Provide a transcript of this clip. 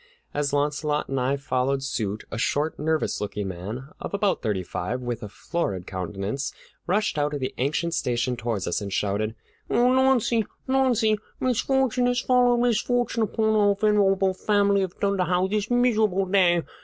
As Launcelot and I followed suit, a short, nervous looking man of about thirty five, with a florid countenance, rushed out of the ancient station toward us, and shouted: "O Launcie, Launcie, misfortune has followed misfortune upon our venerable family of Dunderhaugh this miserable day!